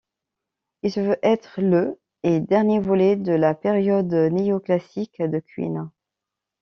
Il se veut être le et dernier volet de la période néo-classique de Queen.